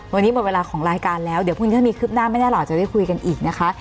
วันนี้หมดเวลาของรายการแล้วเดี๋ยวพรุ่งนี้ถ้ามีคืบหน้าไม่ได้เราจะได้คุยกันอีกนะคะ